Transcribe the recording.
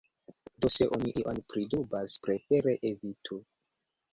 Do se oni ion pridubas, prefere evitu.